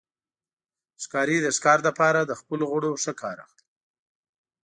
ښکاري د ښکار لپاره له خپلو غړو ښه کار اخلي.